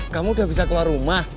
kamu udah bisa keluar rumah